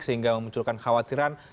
sehingga memunculkan khawatiran